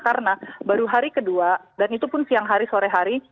karena baru hari kedua dan itu pun siang hari sore hari